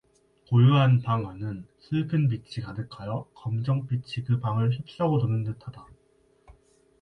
고요한 방 안은 슬픈 빛이 가득하여 검정빛이 그 방을 휩싸고 도는 듯하다.